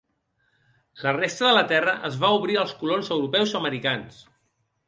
La resta de la terra es va obrir als colons europeus americans.